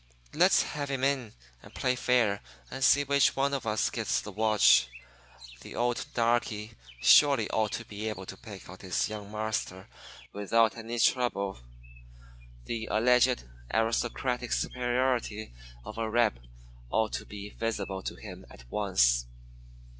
Let's have him in and play fair and see which of us gets the watch. The old darky surely ought to be able to pick out his 'young marster' without any trouble. The alleged aristocratic superiority of a 'reb' ought to be visible to him at once.